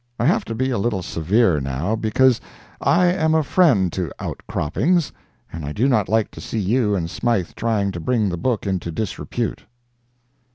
I have to be a little severe, now, because I am a friend to "Outcroppings," and I do not like to see you and Smythe trying to bring the book into disrepute.